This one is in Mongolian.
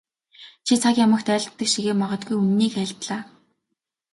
Чи цаг ямагт айлддаг шигээ мадаггүй үнэнийг айлдлаа.